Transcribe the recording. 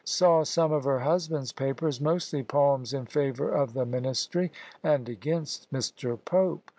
Saw some of her husband's papers, mostly poems in favour of the ministry, and against Mr. Pope.